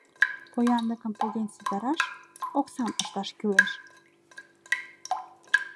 Поянлыкым поген ситараш, оксам ышташ кӱлеш.